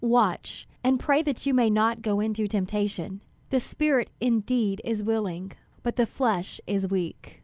Watch and pray that you may not go into temptation. The spirit indeed is willing, but the flesh is weak."